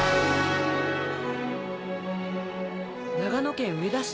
長野県上田市？